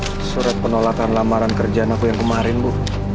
surat penolakan lamaran kerjaan aku yang kemarin bu